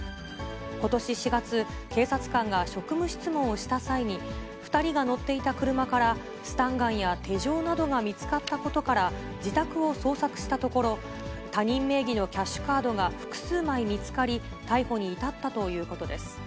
ことし４月、警察官が職務質問をした際に、２人が乗っていた車から、スタンガンや手錠などが見つかったことから、自宅を捜索したところ、他人名義のキャッシュカードが複数枚見つかり、逮捕に至ったということです。